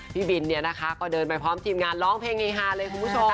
พี่บินเนี่ยนะคะก็เดินไปพร้อมทีมงานร้องเพลงเฮฮาเลยคุณผู้ชม